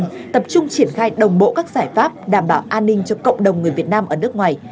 tập trung triển khai đồng bộ các giải pháp đảm bảo an ninh cho cộng đồng người việt nam ở nước ngoài